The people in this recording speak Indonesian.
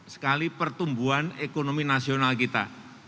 sekali pertumbuhan ekonomi nasional kita